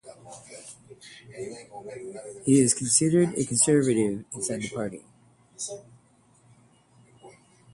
He is seen as a conservative inside the party.